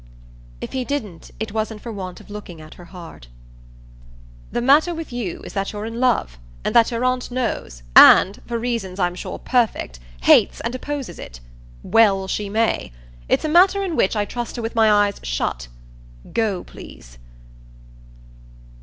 If he didn't it wasn't for want of looking at her hard. "The matter with you is that you're in love, and that your aunt knows and for reasons, I'm sure, perfect hates and opposes it. Well she may! It's a matter in which I trust her with my eyes shut. Go, please."